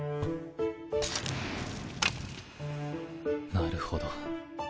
なるほど。